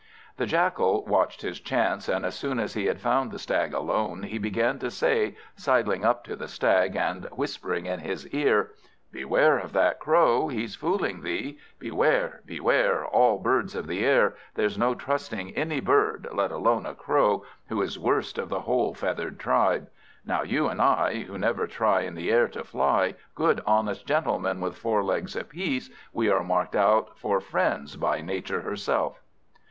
The Jackal watched his chance, and as soon as he had found the Stag alone, he began to say, sidling up to the Stag, and whispering in his ear "Beware of that Crow; he's fooling thee. Beware, beware all birds of the air. There's no trusting any bird, let alone a Crow, who is worst of the whole feathered tribe. Now you and I, who never try in the air to fly, good honest gentlemen with four legs apiece, we are marked out for friends by Nature herself."